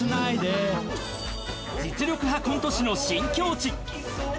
実力派コント師の新境地。